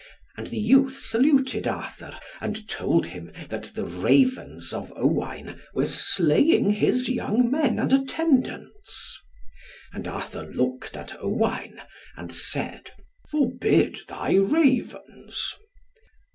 And the youth saluted Arthur, and told him, that the Ravens of Owain were slaying his young men and attendants. And Arthur looked at Owain and said, "Forbid thy Ravens."